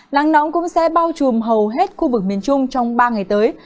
nắng nóng cũng sẽ bao trùm hầu hết khu vực miền trung trong ba ngày tới